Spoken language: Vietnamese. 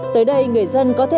tới đây người dân có thể